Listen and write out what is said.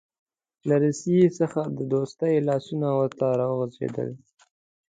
له روسیې څخه د دوستۍ لاسونه ورته راغځېدل.